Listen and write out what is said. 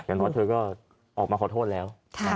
อย่างน้อยเธอก็ออกมาขอโทษแล้ว